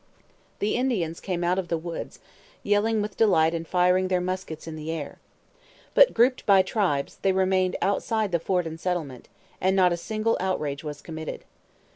The Indians came out of the woods, yelling with delight and firing their muskets in the air. But, grouped by tribes, they remained outside the fort and settlement, and not a single outrage was committed.